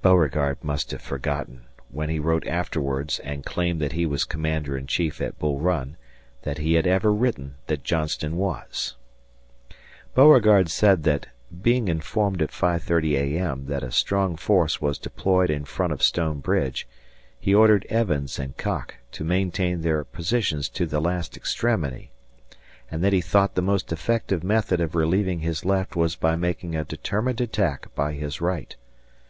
Beauregard must have forgotten, when he wrote afterwards and claimed that he was commander in chief at Bull Run, that he had ever written that Johnston was. Beauregard said that, being informed at 5.30 A.M. that a strong force was deployed in front of Stone Bridge, he ordered Evans and Cocke to maintain their positions to the last extremity, and that he thought the most effective method of relieving his left was by making a determined attack by his right.